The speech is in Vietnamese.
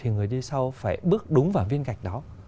người đi sau phải bước đúng vào viên gạch đó